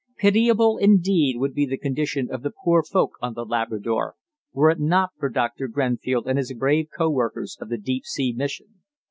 Pitiable indeed would be the condition of the poor folk on The Labrador were it not for Dr. Grenfell and his brave co workers of the Deep Sea Mission.